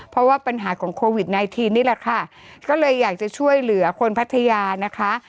เพราะว่าปัญหาของโควิดไนทีนนี่แหละค่ะก็เลยอยากจะช่วยเหลือคนพัทยานะคะ